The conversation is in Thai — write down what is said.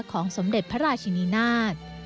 ของสมเด็จพระราชนีนาธ